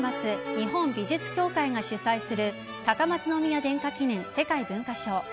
日本美術協会が主催する高松宮殿下記念世界文化賞。